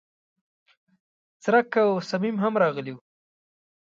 څرک او صمیم هم راغلي و.